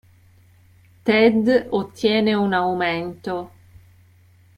Ted ottiene un aumento.